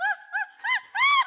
ini saya beli jadi parah